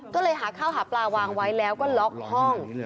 ก็เลยหาข้าวหาปลาวางไว้แล้วก็ล็อกห้อง